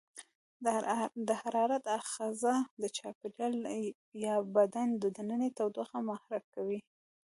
د حرارت آخذه د چاپیریال یا بدن دننۍ تودوخه محرک کوي.